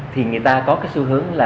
thì người ta có cái xu hướng là